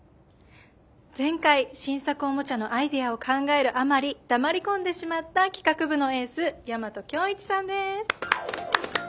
前回新作おもちゃのアイデアを考えるあまり黙り込んでしまった企画部のエース大和響一さんです。